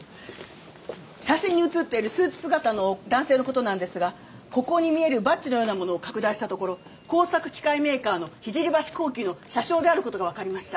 写真に写っているスーツ姿の男性の事なんですがここに見えるバッジのようなものを拡大したところ工作機械メーカーの聖橋工機の社章である事がわかりました。